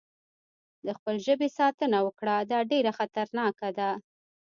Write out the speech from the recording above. د خپل ژبې ساتنه وکړه، دا ډېره خطرناکه ده.